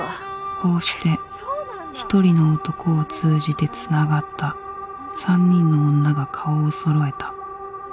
こうして１人の男を通じて繋がった３人の女が顔を揃えた。